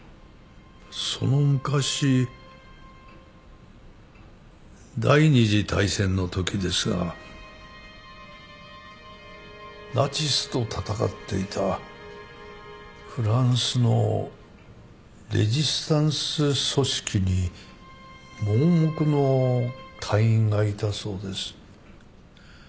その昔第二次大戦のときですがナチスと戦っていたフランスのレジスタンス組織に盲目の隊員がいたそうです。